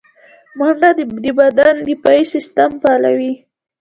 منډه د بدن دفاعي سیستم فعالوي